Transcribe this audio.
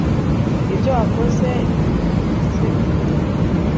ibyo wakoze bimbwize ukuri